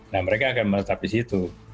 nah mereka akan menetap di situ